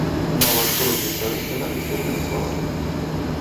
Нават прозвішча сцэнарыста не назвала.